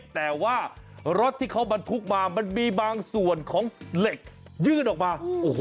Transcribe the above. แต่ว่ารถที่เขาบรรทุกมามันมีบางส่วนของเหล็กยื่นออกมาโอ้โห